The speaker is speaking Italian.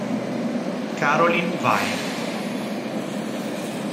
Caroline Weir